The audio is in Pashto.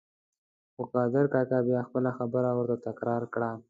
خو قادر کاکا بیا خپله خبره ورته تکرار کړه.